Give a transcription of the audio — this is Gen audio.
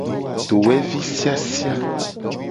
Dowevi siasia.